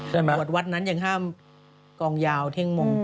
บวชวัดนั้นยังห้ามกองยาวเที่ยงมง